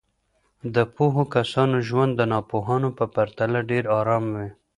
د پوهو کسانو ژوند د ناپوهو په پرتله ډېر ارام وي.